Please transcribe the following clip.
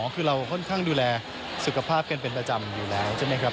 คือเราค่อนข้างดูแลสุขภาพกันเป็นประจำอยู่แล้วใช่ไหมครับ